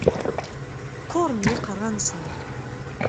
Qquren yiqerra-nsen.